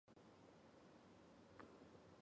同年他加入意甲的乌迪内斯。